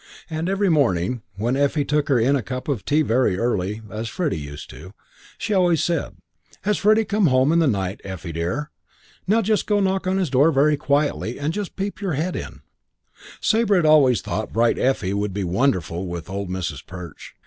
And every morning, when Effie took her in a cup of tea very early (as Freddie used to), she always said, "Has Freddie come home in the night, Effie, dear? Now just go and knock on his door very quietly and then just peep your head in." VI Sabre had always thought Bright Effie would be wonderful with old Mrs. Perch.